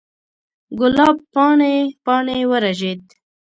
ګلاب پاڼې، پاڼې ورژید